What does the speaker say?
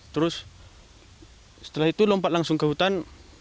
terus setelah itu lompat langsung ke hutan